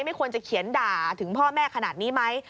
ไม่ควรจะเขียนด่าถึงพ่อแม่ขนาดนี้ไหม